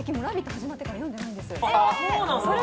始まってから読んでないです。